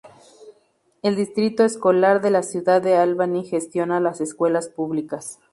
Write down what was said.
El Distrito Escolar de la Ciudad de Albany gestiona las escuelas públicas.